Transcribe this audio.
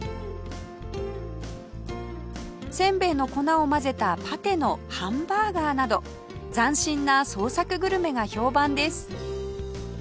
せんべいの粉を混ぜたパテのハンバーガーなど斬新な創作グルメが評判です